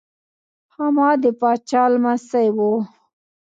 خاما د پاچا لمسی و.